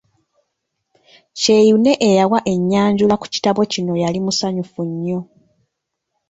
Kyeyune eyawa ennyanjula ku kitabo kino yali musanyufu nnyo.